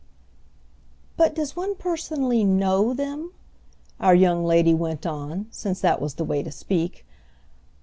"But does one personally know them?" our young lady went on, since that was the way to speak.